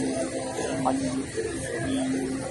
法式